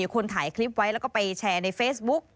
คนถ่ายคลิปไว้แล้วก็ไปแชร์ในเฟซบุ๊ก